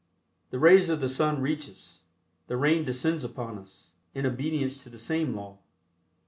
The rays of the sun reach us; the rain descends upon us, in obedience to the same law.